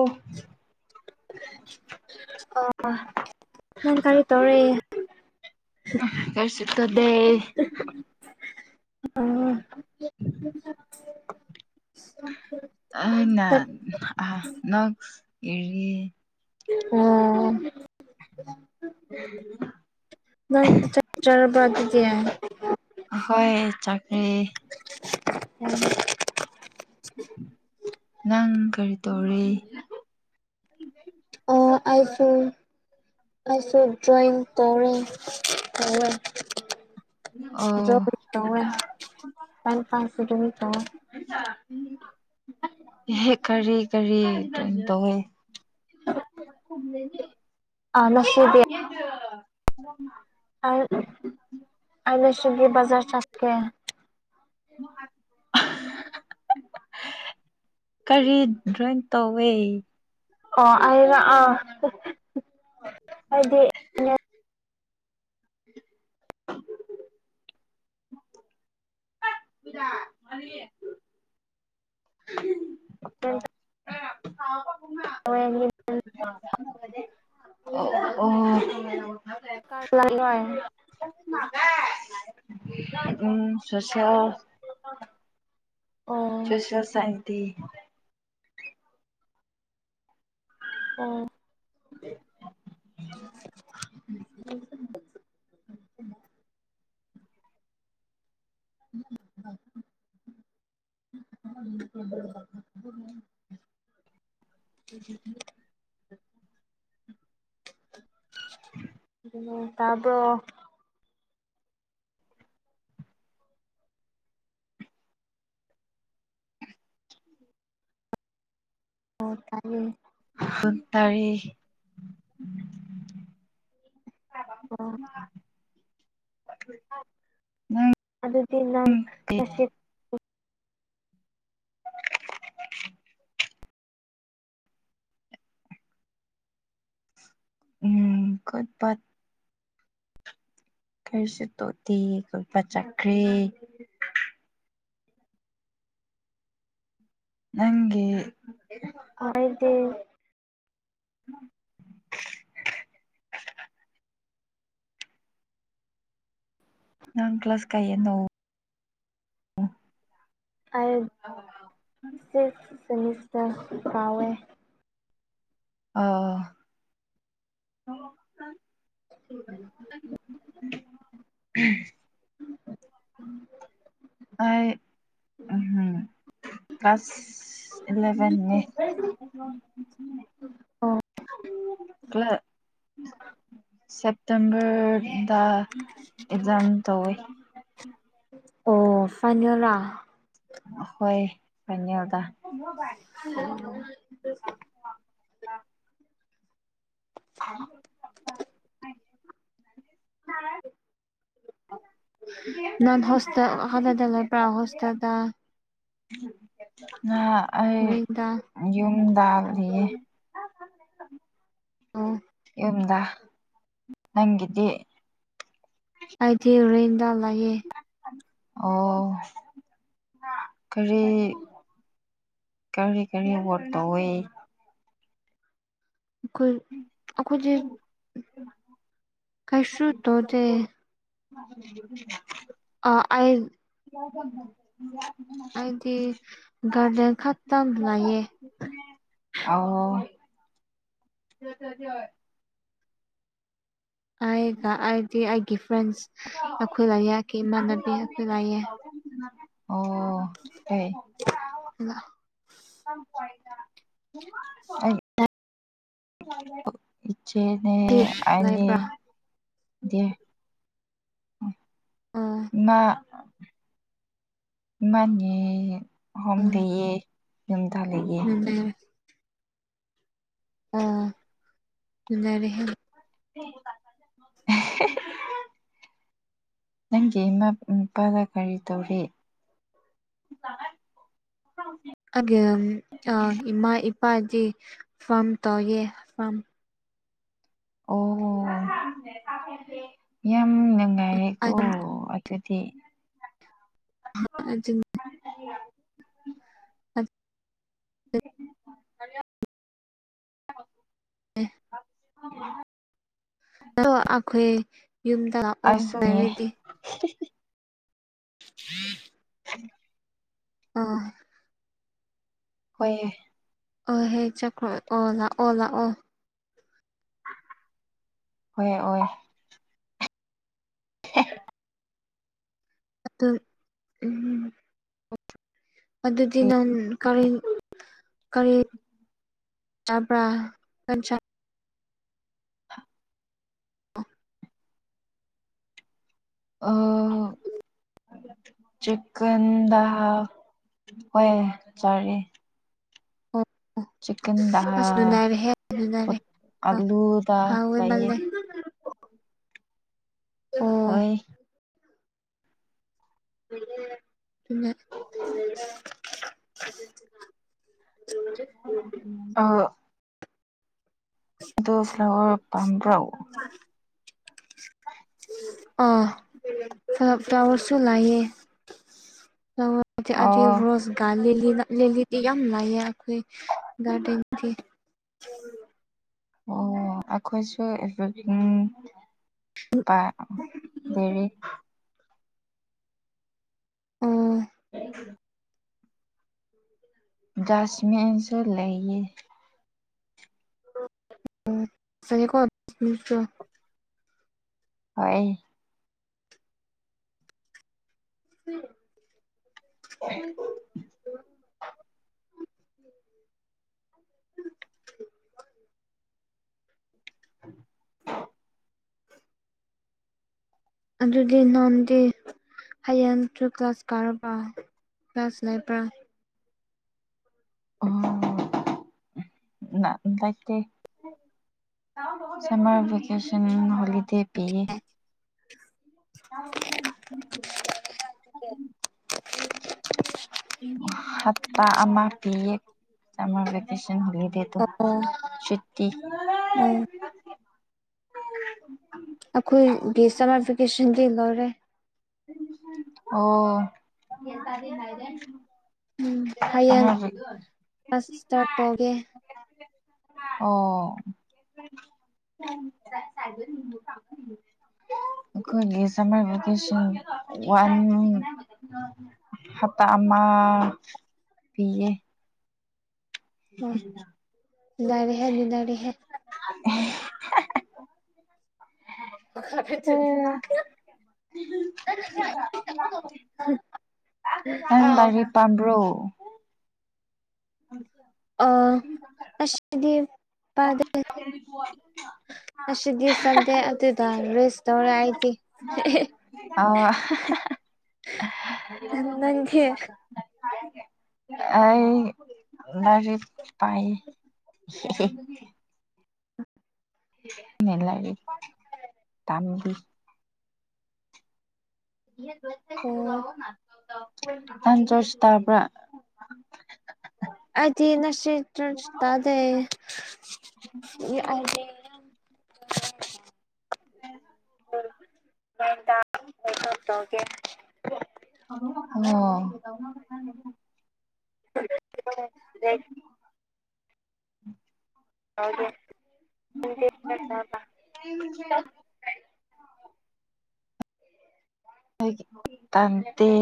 ꯑꯣ ꯑꯣ ꯀꯔꯤ ꯇꯧꯔꯦ ꯀꯔꯤ ꯁꯨ ꯇꯣꯗꯦ ꯑꯣ [unintelligible] ꯋꯥ ꯅꯪ ꯆꯥꯛ ꯆꯥꯔꯕ ꯑꯗꯨꯗꯦ ꯍꯣꯏ ꯆꯥꯈ꯭ꯔꯦ ꯎꯝ ꯅꯪ ꯀꯔꯤ ꯇꯧꯔꯤ ꯑ ꯑꯥꯏꯐꯣꯟꯣꯟ ꯥꯏꯁꯨ ꯗ꯭ꯔꯣꯌꯤꯡ ꯇꯧꯔꯤ ꯇꯧꯔ ꯑꯣ ꯇ ꯄ ꯄꯒꯤꯃꯤ ꯇ ꯑꯦ ꯀꯔꯤ ꯀꯔꯤ ꯀꯩꯅꯣ ꯇꯧꯋꯦ ꯑ ꯉꯁꯤꯗꯤ ꯂꯩ ꯑꯩꯅ ꯁꯒ ꯖꯔ ꯆꯥꯁꯀꯦ [unintelligible] ꯀꯔꯤ ꯗ꯭ꯔꯋꯤꯡ ꯇꯧꯋꯦ ꯑꯣ ꯑꯅ ꯑꯥ ꯍꯥꯏꯗꯤ ꯄꯨꯗ ꯃꯥꯅꯤ ꯎ ꯑꯥ ꯥ [unintelligible] [unintelligible] ꯑꯣ ꯑꯣ ꯎꯝ ꯁꯁꯣ ꯑꯣ ꯆꯁ ꯁꯥꯟꯇꯤ ꯑꯣ [inaudible] [unintelligible] ꯎ ꯎ ꯇꯥꯔꯕ ꯍ ꯇꯥꯏꯦ ꯁꯇꯥꯔ ꯑ ꯑ ꯑꯗꯨꯗꯤ ꯅ ꯔꯁ ꯎꯝ ꯀꯠꯄꯠ ꯀꯔꯤꯁꯨ ꯇꯣꯠꯇꯦ ꯀꯣꯠꯄ ꯆꯠꯈ꯭ꯔꯦ ꯅꯪꯦ ꯑꯗꯤ [unintelligible] ꯅꯪ ꯀ꯭ꯂꯥꯁ ꯀꯩꯌꯅꯣ ꯑꯩ ꯁꯤꯛꯁ ꯇꯋꯦꯟꯇꯤꯁꯤꯛꯁ ꯀꯥꯎꯋꯦ ꯑꯥ ꯎꯝ ꯎꯍꯝ ꯑꯩ ꯎꯝꯍꯝ ꯀ꯭ꯂꯥꯁ ꯏꯂꯕꯦꯟꯅꯦ [unintelligible] ꯑꯣ ꯄꯨꯂꯞ ꯁꯦꯞꯇꯦꯝꯕꯔꯗ ꯑꯦꯛꯖꯥꯝ ꯇꯧꯋꯤ ꯑꯣ ꯐꯅꯤꯂꯥ ꯍꯣꯏ ꯐꯅꯤ ꯑꯣꯗ ꯍꯃ ꯥꯏꯦ ꯎꯝ ꯎ ꯎꯝ ꯅꯥꯟ ꯍꯁ ꯍꯂꯗꯂ ꯄ꯭ꯔꯥꯎ ꯍꯁꯗ ꯑ ꯑꯩ ꯔꯦꯟꯗ ꯌꯨꯝꯗꯜꯔꯤꯌꯦ ꯑ ꯍꯨꯝꯗ ꯅꯪꯒꯤꯗꯤ ꯑꯩꯗꯤ ꯔꯦꯟꯗ ꯂꯩꯑꯦ ꯑꯣ ꯀꯔꯤ ꯀꯔꯤ ꯀꯔꯤ ꯕꯣꯠ ꯇꯧꯏ ꯀꯩ ꯑꯩꯈꯣꯏꯖꯦ ꯀꯩꯁꯨ ꯇꯧꯗꯦ [inaudible] ꯑꯥ ꯑꯩ [inaudible] ꯑꯩꯗꯤ ꯒꯥꯔꯗꯦꯟ ꯈꯛꯇꯪ ꯂꯩꯌꯦ ꯑꯥ ꯑꯩꯒ ꯑꯩꯗꯤ ꯑꯩꯒꯤ ꯐ꯭ꯔꯦꯟꯁ ꯑꯩꯈꯣꯏ ꯂꯥꯏꯌꯦꯛꯀꯤ ꯏꯃꯥꯟꯅꯕꯤ ꯑꯩꯈꯣꯏ ꯂꯥꯏꯌꯦ ꯑꯣ [unintelligible] ꯑꯩ ꯏꯆꯦꯅꯦ ꯑꯅꯤ ꯂꯩꯕ꯭ꯔꯥ ꯗꯦ ꯑꯣ ꯏꯃꯥ ꯏꯃꯥꯅꯦ ꯑꯍꯨꯝ ꯑꯣ ꯂꯩꯌꯦ ꯌꯨꯝꯗ ꯂꯩꯌꯦ ꯅꯨꯡꯉꯥꯏ ꯑꯣ ꯎꯅꯔꯦꯍꯦ [inaudible] ꯅꯪꯒꯤ ꯏꯃꯥ ꯃꯄꯥꯗ ꯀꯔꯤ ꯇꯧꯔꯤ ꯑꯒꯤꯝ ꯑ ꯏꯃꯥ ꯏꯄꯥꯗꯤ ꯐꯥꯝ ꯇꯧꯌꯦ ꯐꯥꯝ ꯑꯣ ꯌꯥꯝ ꯅꯪ [inaudible] ꯗꯨꯗꯤ [unintelligible] ꯑ ꯊ [inaudible] ꯑ [inaudible] ꯑꯦ ꯑ [inaudible] ꯑꯗꯣ ꯑꯈꯣꯏ ꯌꯨꯝꯗ ꯂꯥꯛꯑꯣ ꯑꯩꯁꯨꯅꯦ ꯂꯩꯔꯗꯤ [inaudible] ꯎꯝ ꯑꯥ ꯍꯣꯏꯑꯦ ꯑꯣ ꯍꯦ ꯆꯀ꯭ꯔꯣ ꯑꯣ ꯂꯥꯛꯑꯣ ꯂꯥꯛꯑꯣ ꯍ ꯑꯣꯏ ꯑ ꯎꯝ ꯑꯗꯨꯗꯤ ꯅꯥꯟ ꯀꯔ ꯀꯔꯤ ꯆꯥꯕ꯭ꯔꯥ ꯑꯥ ꯆꯤꯛꯀꯟꯗ ꯍꯥꯞ ꯍꯣꯏ ꯆꯥꯔꯤ ꯑꯣ ꯗ ꯑꯣ ꯑꯁ ꯅꯨꯅꯔꯦꯍꯦ ꯅꯨꯅꯔꯦ ꯑꯂꯨꯗ ꯍꯥꯎꯦ ꯂꯩꯌꯦ ꯃꯜꯂꯦ ꯍꯣꯏ ꯑꯣ ꯊ [unintelligible] ꯑ ꯣ ꯐ꯭ꯂꯋꯔ ꯄꯝꯕ꯭ꯔꯎ ꯑ ꯐ ꯐ꯭ꯂꯋꯔꯁꯨ ꯂꯌꯦ ꯍ ꯑꯗꯨ ꯑꯗꯨ ꯑꯣ ꯔꯣꯁꯒꯥ ꯂꯤꯂꯤꯗꯤ ꯌꯥꯝ ꯂꯥꯏꯑ ꯑꯩꯈꯣꯏ ꯒꯥꯔꯗꯦꯟꯗꯤ ꯎꯝ ꯑꯣ ꯑꯩꯈꯣꯏꯁꯨ ꯏ ꯄ ꯗꯦꯔꯤ ꯑꯣ ꯊꯦꯡ ꯁꯃꯤꯤꯟꯁꯨ ꯂꯩꯦ ꯎꯦ ꯀꯣꯁꯨ ꯍꯣꯏ ꯎꯝ ꯎꯝ [unintelligible] ꯑꯗꯨꯗꯤ ꯅꯥꯟꯗꯤ ꯍꯌꯦꯡ ꯇꯨ ꯀ꯭ꯂꯥꯁ ꯀꯥꯔꯕ꯭ꯔ ꯀ꯭ꯂꯥꯁ ꯂꯩꯕ꯭ꯔꯥ ꯑꯣ ꯂꯥꯏꯇ ꯁꯔ ꯦꯀꯦꯁꯟ ꯍꯣꯂꯤꯗꯦ ꯄꯤꯌꯦ ꯌꯥ ꯎꯝ ꯍꯞꯇꯥ ꯑꯃ ꯄꯤꯀꯦꯁꯟ ꯍꯣꯂꯤꯗꯦ ꯑꯣ ꯁꯨꯇꯤ ꯎꯝ ꯑꯩꯈꯣꯏꯒꯤ ꯁꯃꯔ ꯐꯤꯀꯦꯁꯟꯗꯤ ꯂꯣꯏꯔꯦ ꯑꯣ ꯎꯝ ꯍꯌꯦꯡ ꯀ꯭ꯂꯥꯁ ꯁ꯭ꯇꯥꯔꯠ ꯇꯧꯒꯦ ꯑ ꯑꯣ [inaudible] ꯑꯩꯈꯣꯏꯒꯤ ꯁꯃꯔ ꯚꯤꯀꯦꯁꯟ ꯋꯥꯥꯏꯅꯤ ꯍꯠꯇꯃ ꯄꯤꯌꯦ ꯎ ꯔꯦꯍ ꯅꯨꯗꯥꯔꯦ ꯍꯥꯏ [inaudible] ꯆ ꯑ ꯇ ꯄꯝ꯭ꯔꯣ ꯑꯗꯤ ꯄꯗ ꯑꯁ ꯁ ꯆꯗꯦ ꯑ ꯔꯦꯁ ꯇꯧꯔ ꯑꯥꯏ ꯑ ꯅꯪꯗꯤ ꯑꯩ ꯂꯔꯤꯔꯤ ꯄꯥꯏ [unintelligible] ꯃ ꯂꯩꯒ ꯇꯝꯕꯤ ꯑꯣ ꯊ ꯆꯁ ꯇ ꯑꯗꯤ ꯅꯁꯤ ꯆ ꯇꯗꯦꯗꯤ ꯑꯣ ꯃ ꯇꯒꯦ ꯑꯣ [unintelligible] ꯎꯝ ꯍꯗ ꯆꯠꯇꯕ ꯇꯗꯤ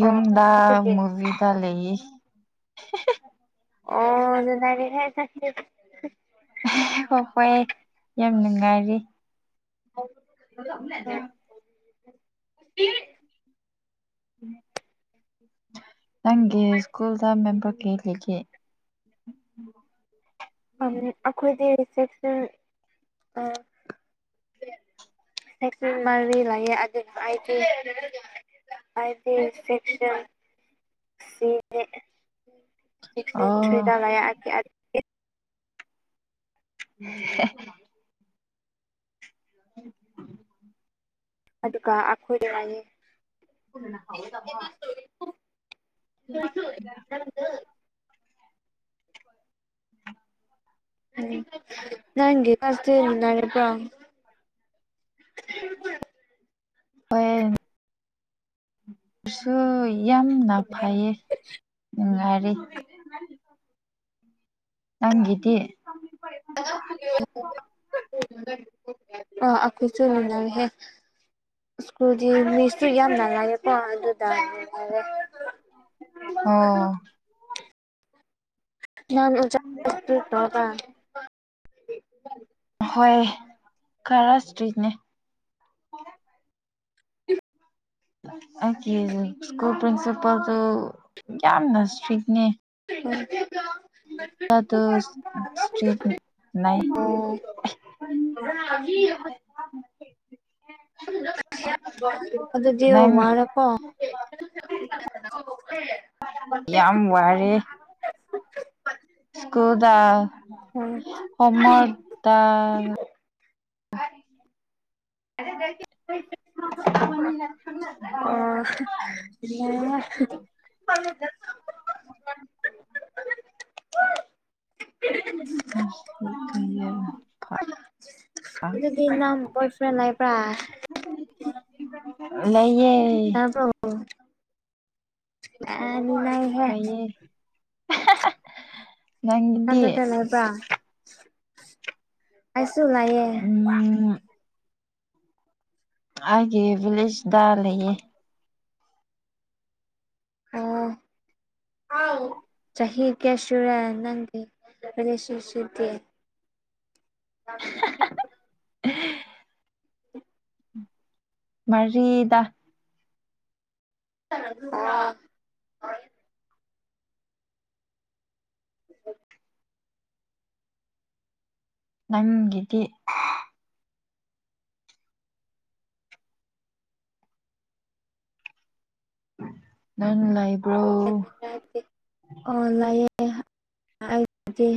ꯑꯣ ꯑꯗꯨꯒꯤ ꯃꯨꯚꯗ ꯂꯩ ꯑꯣ ꯑꯗꯨꯦ ꯍꯥꯏ ꯍꯣꯏ ꯍꯣꯏ ꯌꯥꯝ ꯅꯨꯡꯉꯥꯏꯔꯤ [unintelligible] ꯑꯗꯨꯗ ꯂꯩ [unintelligible] ꯅꯪꯒꯤ ꯁ꯭ꯀꯨꯜꯗ ꯃꯦꯝꯕꯔ ꯀꯦꯂꯤꯒꯦ ꯑꯝ ꯑꯩꯈꯣꯏꯗꯤ ꯔꯤꯁꯦꯞꯁꯟ ꯑꯥ [unintelligible] ꯁ ꯃꯔꯔꯤ ꯂꯑꯦ ꯑꯗꯨꯅ ꯍꯥꯏ ꯍꯥꯏꯗꯤ ꯁꯦꯛꯁꯟ ꯑꯣ ꯁꯤ ꯗꯥꯥ ꯂꯩ [unintelligible] [unintelligible] ꯑꯗꯨꯒ ꯑꯩꯈꯣꯏꯒꯤ ꯋꯥꯅꯤ ꯄꯨꯅꯅ ꯈꯑꯣ ꯇ [unintelligible] ꯎ ꯅꯪꯄꯥ ꯍꯣꯌꯦꯟ ꯁꯨ ꯌꯥꯝꯅ ꯐꯩꯌꯦ ꯅꯨꯡꯉꯥꯏꯔꯤꯦ ꯅꯪꯒꯤꯗꯤ ꯑꯗꯨꯔ ꯑ ꯑꯈꯣꯏꯁꯨ ꯍꯔ ꯍꯦ ꯁ꯭ꯀꯨꯜꯒꯤ ꯃꯤꯁꯁꯨ ꯌꯥꯝ ꯜꯉꯔꯦꯀꯣ ꯑꯗꯨꯗ ꯍꯥꯏꯔꯦ ꯅ ꯑꯗꯨ꯭ꯔ ꯑꯣ [unintelligible] ꯪ [unintelligible] ꯇꯒ ꯍꯣꯏ ꯈꯔ ꯏꯁꯇ꯭ꯔꯤꯠꯅꯦ ꯑꯩꯒꯤ ꯁ꯭ꯀꯨꯜ ꯄ꯭ꯔꯤꯟꯁꯤꯄꯜꯗꯨ ꯌꯥꯝꯅ ꯏꯁꯇ꯭ꯔꯤꯛꯅꯦ ꯐ ꯣ ꯏꯁꯇ꯭ꯔꯤꯠ ꯍꯥꯏ [unintelligible] ꯑꯗꯨꯗꯤ ꯅꯪ ꯋꯥꯔꯦꯀꯣ ꯌꯥꯝ ꯋꯥꯔꯦ ꯁꯀꯨꯗꯥ ꯑꯣ ꯍꯣꯃꯗ [unintelligible] [unintelligible] ꯦꯗ [unintelligible] [inaudible] ꯀ [unintelligible] ꯑꯗꯨꯗꯤ ꯅꯪ ꯕꯣꯏ ꯐ꯭ꯔꯦꯟ ꯂꯩꯕ꯭ꯔꯥ ꯂꯩꯌꯦ ꯇꯥꯕ꯭ꯔꯣ ꯇꯥꯏꯌꯦ ꯑꯟꯏꯟꯇꯦꯜꯂꯤꯖꯦꯕꯜ ꯄꯥꯏꯁꯨ ꯂꯥꯏꯌꯦ ꯎꯝ ꯑꯥꯏꯒꯤ ꯚꯤꯂꯦꯖꯇ ꯂꯩꯌꯦ ꯑꯣ [inaudible] ꯆꯍꯤ ꯀꯦꯌꯥꯁꯨꯨꯔ ꯅꯪꯁꯤꯁꯤꯗ [inaudible] [unintelligible] ꯃꯔꯤꯗ ꯑꯗꯨ [unintelligible] ꯅꯪꯒꯤꯗꯤ ꯅꯪ ꯂꯩꯥꯕ꯭ꯔꯣ ꯑꯣ ꯂꯥꯛꯑꯦꯗꯤ